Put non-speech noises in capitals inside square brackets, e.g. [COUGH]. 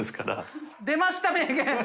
出ました名言 [LAUGHS]